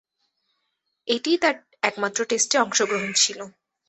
এটিই তার একমাত্র টেস্টে অংশগ্রহণ ছিল।